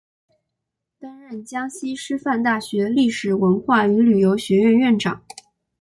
担任江西师范大学历史文化与旅游学院院长。